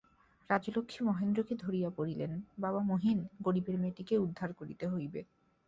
রাজলক্ষ্মী মহেন্দ্রকে ধরিয়া পড়িলেন, বাবা মহিন, গরিবের মেয়েটিকে উদ্ধার করিতে হইবে।